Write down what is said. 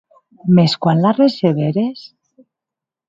Mès quan la receberes?